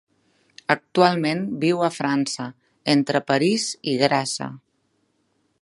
Actualment viu a França, entre París i Grassa.